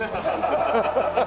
ハハハハ！